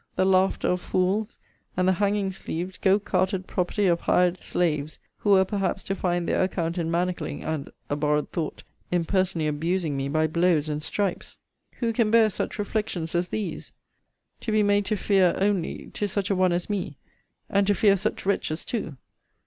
the laughter of fools! and the hanging sleeved, go carted property of hired slaves; who were, perhaps, to find their account in manacling, and (abhorred thought!) in personally abusing me by blows and stripes! Who can bear such reflections as these? TO be made to fear only, to such a one as me, and to fear such wretches too?